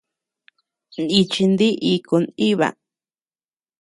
Nichin dí iku nʼiba.